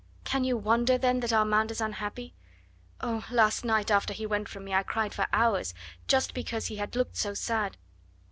"Can you wonder, then, that Armand is unhappy. Oh! last night, after he went from me, I cried for hours, just because he had looked so sad.